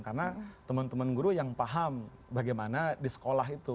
karena teman teman guru yang paham bagaimana di sekolah itu